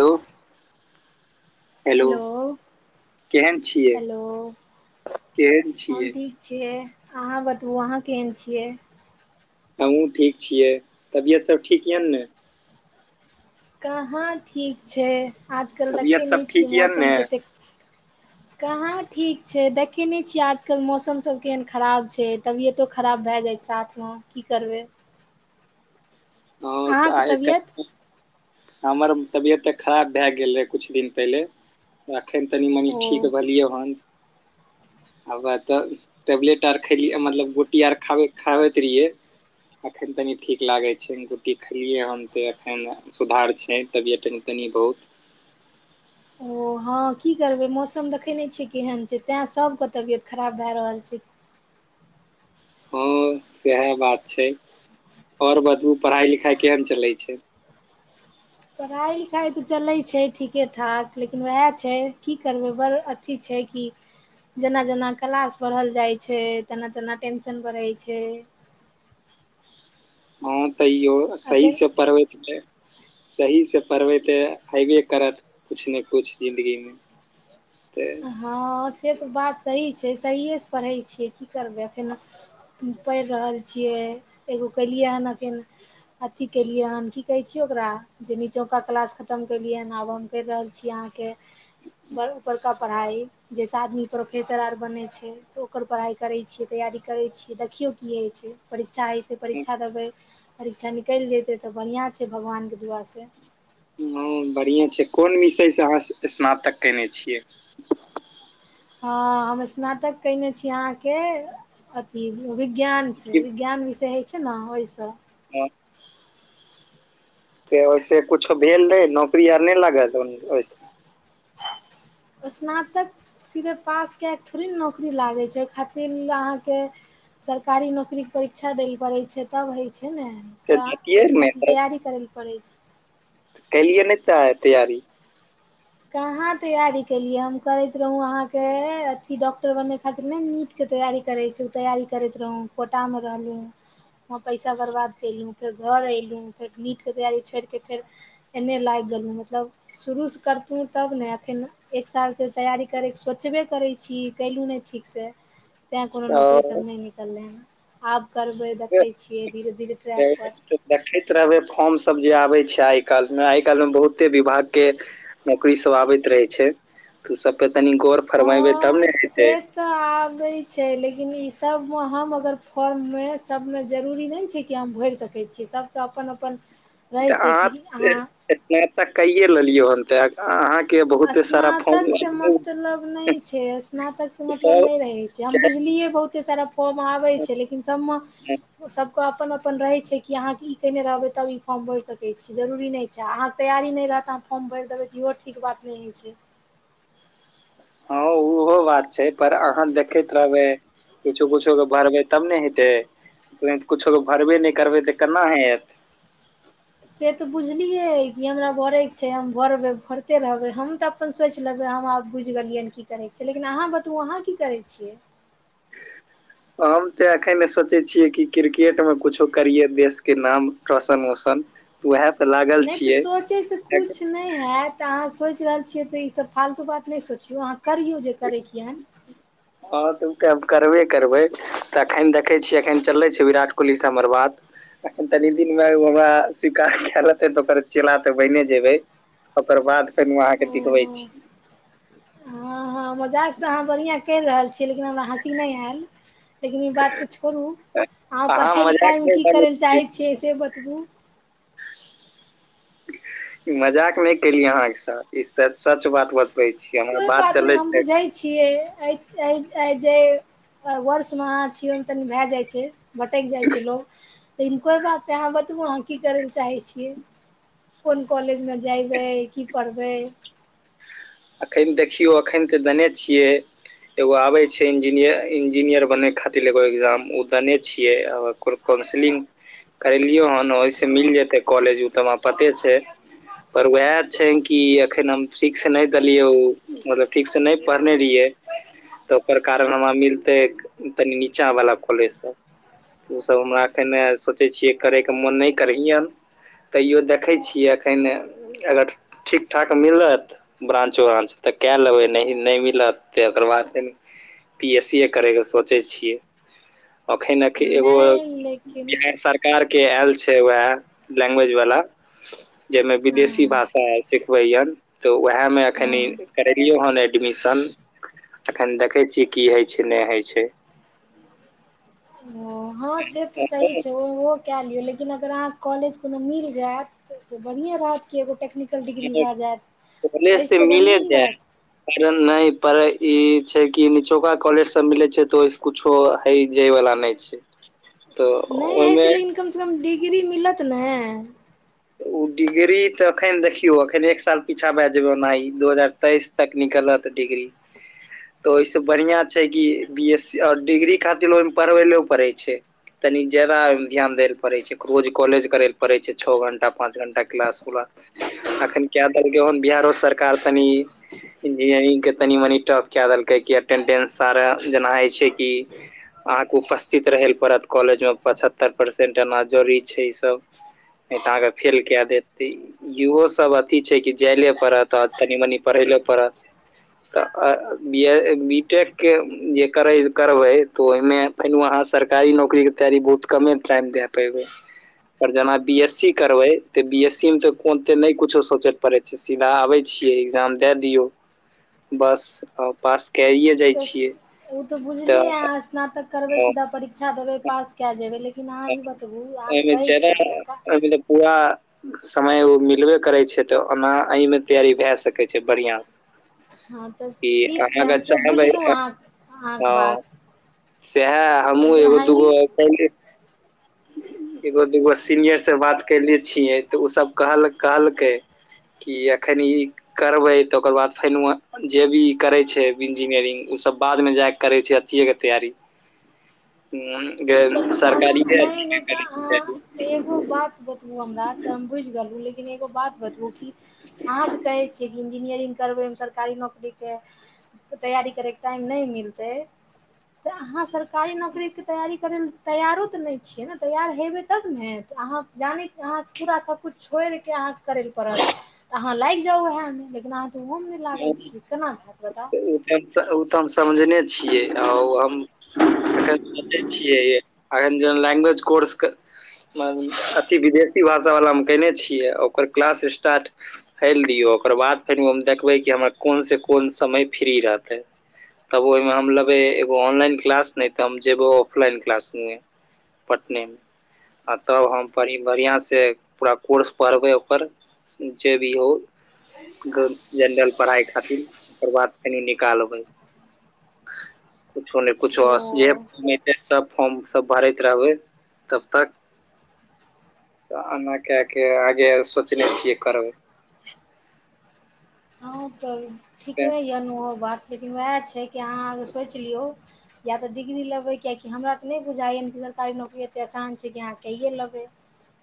Hello hello केहेन छियै hello केहेन हम छियै ठीक छियै अहाँ बताबू अहाँ केहन छियै हमहुँ ठीक छियै तबियत सब ठीक यऽ ने कहाँ ठीक छै आजकल तबियत देखै सब नहि छियै ठीक यऽ मौसम ने केतैक [inaudible] कहाँ ठीक छै देखेने छियै आजकल मौसमसभ केहन खराब छै तबियतो खराब भए जाइ छै साथ हँ की करबै अहाँसँ अहाँके आय तबियत कतअ हमर तबियत तऽ खराब भए गेल रहै कुछ दिन पहिले एखन तनि मनि ओ ठीक भेलियौ हन आबै तऽ टेबलेट आर खेलियै मतलब गोटी आर खाबे खाबैत रहियै अखैन तनी ठीक लागे छै गोटी खेलियै हन ते एखैन सुधार छै तबियत तनि तनि बहुत ओ हँ की करबै मौसम देखै नहि छियै केहन छै तैय सभके तबियत खराब भैय रहल छै हँ सेहा बात छै आओर बतबू पढ़ाइ लिखाइ केहन चलै छै पढ़ाइ लिखाइ तऽ चलै छै ठीके ठाक लेकिन ओहै छै की करबै बड़ अ अथि छै की जेना जेना क्लास बरहल जाइत छै तेना तेना टेंशन बढ़ैय छै हँ तैयो सही एखन से पढ़बै लिखबै सहीसे पढ़बै तऽ हबे करत किछ नै किछ जिन्दगीमे [unintelligible] हँ से तऽ बात सही छै सहियेसँ पढ़ै छियै की करबै एखैन हम पढ़ि रहल छियै एगो कलियै हन अखैन अथी केलियै हन की कहे छिये ओकरा जे नीचोका क्लास खतम केलियैन आब हम करि रहल छी अहाँके बड़ उपरका पढ़ाइ जाहिसँ आदमी प्रोफेसर आर बनैत छै तऽ ओकर पढ़ाइ करैत छियै तैयारी करैत छियै देखियौ की होइ छै परीक्षा एतै परीक्षा देबै परीक्षा निकलि जेतै तऽ बढ़िआँ छै भगवानकेँ दुआ से हँ बढ़िये छै कोन विषय सँ अहाँ स्नातक केने छियै हँ हम स्नातक केने छी अहाँके अथी विज्ञान स विज्ञान विषय होइत छै ने ओहिसँ [unintelligible] त ओहिसे कुछो भेल रहै नौकरी आर नहि लागल ओहि स्नातक सीधे पास कए कऽ थोड़े ने नौकरी लागै छै ओहि खातिर अहाँके सरकारी नौकरी के परीक्षा दै पड़ै छै तब होइ छै ने तऽ जतियै ओइ ने खातिर तैयारी करै लए पड़ै छै कलिय नाए तै तैयारी कहाँ तैयारी केलियै हम करैत रहौं अहाँके अथी डॉक्टर बनै खातिर नहि नीट के तैयारी करै छी तैयारी करैत रहौ कोटा म रहलहुँ व पैसा बर्बाद केलहुँ फेर घर एलहुँ फेर नीट के तैयारी छोड़ के फेर एने लागि गेलहु मतलब शुरू से करतहु तब ने एखन एक सालसँ तैयारी करयके सोचबे करै छी कलहुँ नहि ठीक स तैं कोनो ओ नौकरी सब नहि निकललै हँ आब करबै देखै छियै धीरे धीरे ट्रैक पर देखैत रहबै फॉर्म सब जे आबे छै आइ काइल मे आइ काइल मे बहुते विभाग के नौकरी सब आबैत रहै छै तऽ [inaudible] ओ सबपे तनी गौर फरमेबै तब ह ने से हेतै तऽ आबे छै लेकिन ई सब मे हम अगर फॉर्म मे सब मे जरूरी नहि छै कि हम भैर सकै छी सभके अपन अपन रहै तऽ छै आह कि अहाँ स्नातक तऽ कये लेलियौ हन ते स्नातक से सब मतलब नहि छै स्नातक से मतलब नहि रहे छै जे हम बुझलियै बहुते सारा फॉर्म आबै छै लेकिन सबमे सब अपन अपन रहै छै कि अहाँके ई केयने रहबै तब ई फॉर्म भरि सकै छी जरूरी नहि छै अहाँके तैयार नहि रहत अहाँ फॉर्म भरि देबै इहो ठीक बात नहि होइ छै हँ उहो बात छै पर अहाँ देखैत रहबै किछो किछो क के भरबै तब ने हेतै त कछो क के भरबे नहि करबै तऽ केना हेत से तऽ बुझलियै कि हमरा भरैके छै हम भरबै भरिते रहबै हम तऽ अपन सोचि लेबै हम आब बुझि गेलियै की करे छियै लेकिन आहाँ बतबु अहाँ की करे छियै हम तऽ एखनने सोचै छियै कि क्रिकेट मे कुछो करिय देश के नाम रौशन वोशन वएह त लागल छियै सोचैसँ [inaudible] किकि किछु नहि होयैत तऽ अहाँ सोचि रहल छियै तऽ ई सब फालतू बात नहि सोचियौ अहाँ करियौ जे करैकेन हँ तऽ ओ तऽ करबे करबै तऽ एखन देखै छियै एखन चललै छै विराट कोहली सँ हमर बात अख तनी दिन मे हमरा स्वीकार क लते तऽ ओकर चेला त बने जेबै ओकर बाद फेर नो अहाँके ओ दिखबै छी हँ हँ मजाक सँ अहाँ बढ़िआँ करि रहल छी लेकिन हमरा हँसी नहि आयल लेकिन ई बात तऽ छोरु अहाँ पढ़ाइ मजाक लिखाइमे नहि की मानै करै लए चाहै छी छियै से बतबू मजाक नहि केलिय अहा के साथ ई सच सच बात बतबे छी कि हमर बात चलै छै छिय आए आए जे वर्षमे अहाँ छिए ओहिमे तनी भए जाइ छै भटकि जाइ छै लोक लेकिन कोइ बात नहि अहाँ बताबू अहाँ की करै लए चाहै छियै कोन कॉलेज म जयबै की पढ़बै एखन देखियौ एखन तऽ दने छियै एगो आबै छै इंजीनियर इंजीनियर बनै खातिर एगो एग्जाम ओ देने छियै आ ओ काउन्सिलिंग करेलियै हन ओहिसे मिल जेतै कॉलेज ओ तऽ पते छै पर उएह छै कि एखन हम ठीक से न देलियौ मतलब ठीकसँ नहि पढ़ने रहियै तऽ ओकर कारण हमरा मिलतै तनी नीचा वाला खोलय स उसभ हमरा कने सोचै छियै करयके मोन नय करैयनि तैयो देखै छियै एखन अगर ठीक ठाक मिलत ब्रानंच व्राच तऽ के लेबै नहि नय मिलत औकर बाद पी एस सी ए करैके सोचै छियै एखन एगो नहि लेकिन बिहार सरकारके आयल छै वएह लैंग्वेज वाला जाहिमे हँ विदेशी भाषा आर सिखबैयन तऽ वएह अएहमे एखन हँ करेलियौ हन एडमिशन एखन देखै छियै की होइ छै नहि होइ छै ओ हँ से तऽ सही छै कए लियौ लेकिन अगर अहाँके कॉलेज कोनो मिल जायत तऽ बढ़िएँ रहत कि एगो टेक्नीक डिग्री भए जायत एहिस तऽ बढ़ियएँ ने रहत न पर ई छै कि निचोका कॉलेज सब मिलै छै तो ओ कुछो हइ जय वला नय छै तऽ नय ओहिमे हेतै लेकिन कमसँ कम डिग्री मिलत ने ओ डिग्री तऽ एखन देखियौ एखन एक साल पीछा भए जेयबै ओना ई दू हजार तेइस ट्निकलक डिग्री तऽ ओहिसँ बढ़िआँ छै कि बी एस सी आओर डिग्री खातिर ओहिमे पढ़बै ले पड़ै छै तनी जादा ध्यान दै ल पड़ै छै रोज कॉलेज करे ले पड़े छै छओ घंटा पाँच घंटा [unintelligible] क्लास अखन क देलक हन बिहारो सरकार तनि इंजीनियरिंग के तनी मनी टफ क देलकै क अटेंडेंस सारा जेना हय छै की अहाँके उपस्थित रहय ल पड़त कॉलेज मे पचहत्तर परसेंट एना जरै छै ई सब नहि तऽ अहाँ के फेल कय देतै इहो सब अथी छै कि जाइ ले पड़त आ तनी मनी पढ़ै ले पड़त तऽ बी टेकके जे करै करबै तऽ ओहिमे फे वहाँ सरकारी नौकरी के तैयारी बहुत कमे टाइम देए पेबै कर जाना बी एस सी करबै तऽ बी एस सी मे तऽ कोते नहि कुछो सोचे पड़े छै सीधा आबे छियै एग्जाम दए दियौ बस पास कय एस उ तऽ ओ तऽ बुझलियै स्नातक करबै सीधा परीक्षा देबै पास क जेबै लेकिन अहाँ ई बतबू अहाँ ऐ जे मे कहै ज्यादा छियै कि सरकार ऐ मे ने पूरा समय ओ मिलबे करै छै तऽ ओना एहिमे तैयारी भए सकै छै बढ़िआँसँ हँ तऽ कि ठीक छै अहाँ हम से बुझलहुँ ह अहाँ अहाँके हँ बात सेह हमू लेकिन एगो अहाँ ई दूगो कही एगो दूगो सीनियर से बात कयने छियै तऽ ओसभ कहल कहलकै कि एखनी ई करबै तऽ ओकर बाद फेनआ जे भी करै छै बिन्जीनियरिंग ओसभ बादमे जाकऽ करै छै अथियएके तैयारी ह चलू तऽ हम सरकारी भेल [unintelligible] नहि नहि तऽ अह एगो बात बतबु हमरा से हम बुझ गेलहु लेकिन एगो बात बतबुकी अहाँ जे कहे छियै इंजीनियरिंग करबे मे सरकारी नौकररी के तैयारी करैके टाइम नय मिलतै तऽ अहाँ सरकारी नौकरी के तैयारी करै ल तैयारो तऽ नय छियै ने तैयार हेबै तब ने तऽ अहाँ जानिक अहाँ पूरा सबकिछु छोड़ि के अहाँ करैल पड़त अहाँ लागि जाउ उह मे लेकिन अहाँ त ओहो मे हू, ओ तऽ हम ओ तऽ हम समझने छियै आ हम एखने छियै एखन जे लैग्वेज कोर्स अथि विदेशी भाषा वलामे कने छियै ओकर क्लास स्टार्ट। फैल दियौ ओकर बाद फेर हम देखबै कि हमरा कोन से कोन समय फ्री रहतै तब ओहि मे हम लेबै एगो ऑनलाइन क्लास नहि तऽ हम जेबै ऑफलाइन क्लास ह पटने मे आ तब हम बढ़िआँ से पूरा कोर्स पढ़बै ओकर जे दिहो हो जनरल पढ़ाई खातिर ओकर बाद फेन निकालबै कछो नहि कछो जे ओ फॉर्म एतै सभ फॉर्म सभ भरैत रहबै तब तक आना के आगे सोचने छियै करबै। हँ तऽ ठीके य नेहो बात लेकिन ओएह छै, कि अहाँ सोचि लियौ। तऽ डिग्री लेबै कियकि हमरा तऽ नहि बुझाइयए ने कि सरी नौकरी एते आसान छै, कि अहाँ कहियए लेबै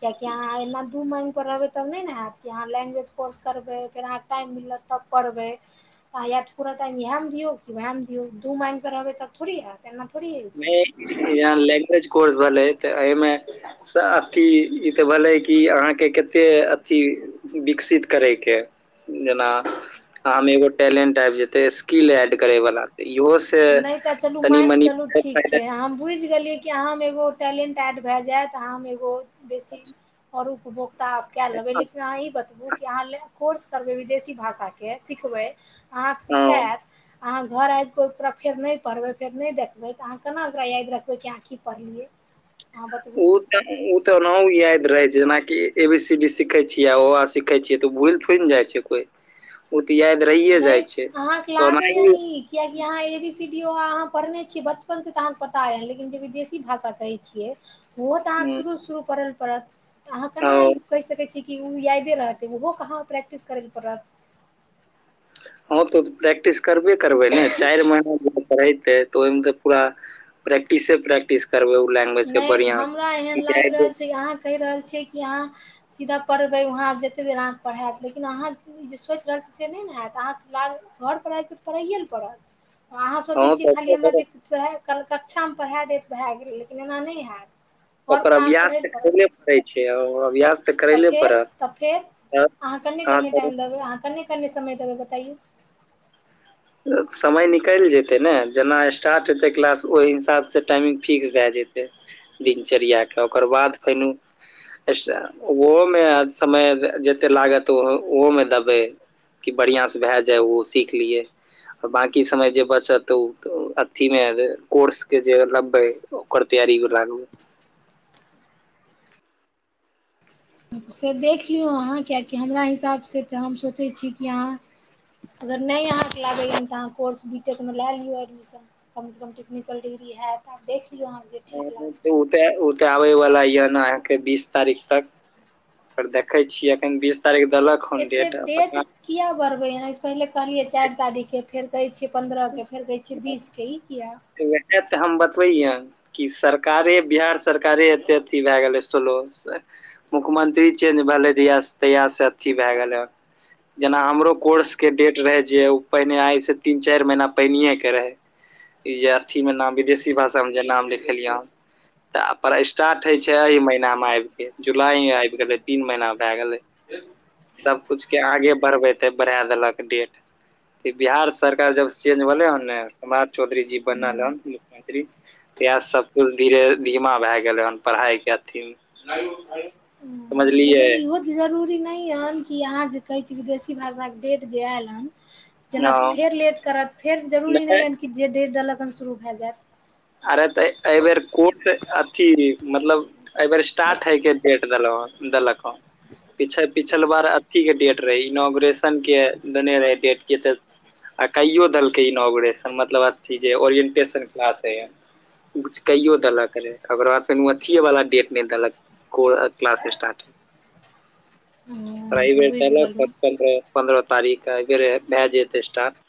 किएकि अहाँ एना दू मेन पर रहबै तब नहि ने हैत कि अहाँ लैंग्वेज कोर्स करबै फेर अहाँकेँ टाइम मिलत तब करबै तऽ य पूरा टाइम इएहमे दिऔ कि ओएह मे दि दू मान पर रहबै तब थोड़ी हयत एना थोरी होइ छै। या लैंग्वेज कोर्स भेलै तऽ एहिमे से अथि ई तऽ भेलै कि अहाँकेँ कतेक अथि विकसित करयेक जेना अमे एगो टैलेंट आबि जेते स्किल एड करै वला तऽ इहो। ते तऽ नहि तऽ चलू तनि मानि मनि। चलू ठीक छै, हम बुझि गेलियै कि अहाँ हम एगो टैलेंट ऐड भऽ जायत अहाँ हम एगो बेसी ओर उपभोकता आब कऽ छै। लेबै लेकिन अह ई बतबू कि अहाँ ले कोर्स करबै विदेशी भाषा के सिखबै अहाँकेँ हँ सिखायत अहाँ घर आबि कऽ फेर नहि पढ़बै फेर नहि देखबै तऽ अहाँ केना ओकरा याद रखबै कि अहाँ कि पढ़लियै। अहाँ बतबू ओ। ओ तना याद रहे छै, जेनाकि एबीसीबी सिखे छियै ओ सिखे छियै तऽ भुल खुनि जाइ छै, कोइ ओ तऽ याद रहिए नहि जाइ छै, अहाँके तऽ लागैए ओनहि नीक किएकि अहाँ एबीसीडी ओ अहाँ पढ़ने छियै बचपनसँ तऽ अहाँकेँ पता यए लेकिन जे विदेशी भाषा कहै छियै। ओहो तऽ अहाँकेँ शुरू शुरू करै लए पड़त। तऽ अहाँ आ। केना ई कहि सकैत छियै, कि ओ यादे रहतै ओहो कहाँ प्रैक्टिस करै लए पड़त। हँ तऽ प्रैक्टिस करबे करबै ने चारि महीना ज पेतै। तऽ ओहिमे तऽ पूरा प्रैक्टिसे प्रैक्टिस करबै ओ लैंग्वेजके नहि तऽ बढ़िआँ हमरा एहन लागि सँ। रहल छै अहाँ कहि रहल छियै कि अहाँ सीधा पढ़बे वहाँं जते देर अहाँ पढ़ायत लेकिन अहाँ। जे सोचि रहल छी से नहि ने हयत अहाँकेँ घर पर आबि तऽ पढ़ैए ने पड़त अहाँ सोचै छियै, तऽ खाली हमरा ओकर जे पढ़ कक्षामे पढ़ाए देत भए गेलै लेकिन एना नहि हैत। ओकर घरपर अहाँके अभ्यास पढ़ै लए तऽ पड़त अबे पड़ैत छै अभ्यास तऽ करैले फेर पड़त त फेर अहाँ कन्ने हाँ कन्ने तऽ टाइम देबै अहाँ कन्ने कन्ने समय देबै बतैयऔ। ह। समय निकली जेतै ने जेना स्टार्ट हेतै क्लास ओहि हिसाबसँ टाइमिंग फिक्स भए जेतै दिनचर्य कऽ ओकर बाद फेर ओ ओहोमे समय जते लागत ओहो मे देबै। कि बढ़िआ सँ भए जाय ओ सीख लियै बाकी समय जे बचत ओ अथि मे कोर्स के जे लै ओकर तैयारी लागू। से देख लियौ अहाँ कियकि हमरा हिसाबसँ तऽ हम सोचैत छी कि अहाँ अगर नहि अहाँकेँ लागैए तऽ अहाँ कोर्स बीत लए लियौ एडमशन। कम से कम टेक निकल दिग्री है त देख लियौह ह। ते ओते आबे वाला य ने अहाँकेँ बीस तारीख तक ओ देखे छी अखन बीस। तारीख देलक हन डेट आप। किएक बढ़बै एना सँ पहिले कहलियै चारि तारीखके फेर कहै छियै। पंन्द्रह के फेर कहय छिय बीस के ई किया। वएह तऽ हम बतबै। कि सरकारे बिहार सरकारे एते अथि भए गेलै स्लो से। मुख्यमंत्री चेंज भेले तहिया तहिया सँ से अथि भए गेलै। जेना हमरो कोर्सके डेट रहे जे ओ पहिने आइ सँ तीन चारि महीना पहिनिए के रहे ई जे अथि मे नाम विदेशी भाषामे जे नाम लिखलियै। तऽ पर स्टार्ट हय छै, ए महीना मे आब के जुलाई मे आबि गेले तीन महीना मे भए गेले। सभकूछ के आगे बढ़बे ते बढ़ा देलक डेट बिहार सरकार जब चेंज भेले हने कुमार चौधरी जी बनल हन मुख्यमंत्री इएह सभ कछु धीरे धीमा भए गेलै हन पढ़ाई के अथि मे समझलियै लेकिन इहो। जरूरी नहि हन कि अहाँ जे कहै छै, विदेशी भाषाके डेट जे आयल हन जेना ह फेर लेट करत फेर जरूरी नहि यै कि जे डेर देलक हन शुरू भए जायत। अरे तऽ एहि बेर कोर अथि मतलब एहि बेर स्टार्ट हइ के डेट देल देल। पिछल बार अथि के डेट रहै इनोॉग्रेशनके देने रहै डेटके तऽ आ कहिओ देलकै इनॉग्रेशन मतलब अथि जे ओरिएन्टेशन क्लासइ हन। किछु कैयओ देलक रहै ओकर बाद फेर ओ अथि एवला डेट नहि देलक कू क्लासस स्टार्ट। प्राइवेट बुझि प्र गेलहुँ पन्द्रह तारीखर भए जेतै।